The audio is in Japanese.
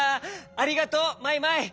ありがとうマイマイ！